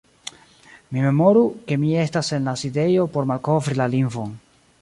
Mi memoru, ke mi estas en la sidejo por malkovri la lingvon.